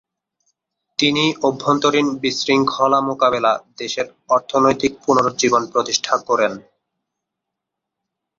তিনি অভ্যন্তরীণ বিশৃঙ্খলা মোকাবেলা, দেশের অর্থনৈতিক পুনরুজ্জীবন প্রতিষ্ঠা করেন।